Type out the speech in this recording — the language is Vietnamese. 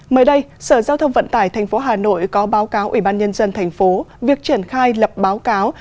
mới đây sở giao thông vận tải tp hà nội có báo cáo ủy ban nhân dân thành phố việc triển khai lập báo cáo